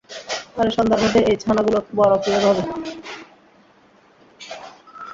আরে সন্ধ্যার মধ্যে এই ছানাগুলা বড় কিভাবে হবে?